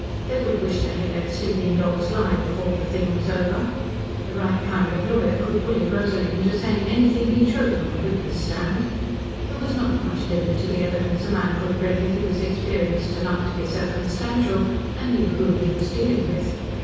They would wish they had let sleeping dogs lie before the thing was over. The right kind of lawyer could bully Rosalie into saying anything he chose on the witness stand. There was not much limit to the evidence a man could bring if he was experienced enough to be circumstantial, and knew whom he was dealing with.